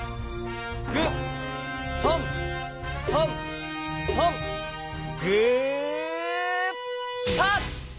グットントントングーパッ！